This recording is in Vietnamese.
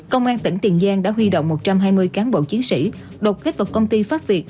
công an tỉnh tiền giang đã huy động một trăm hai mươi cán bộ chiến sĩ đột kết vào công ty phát việc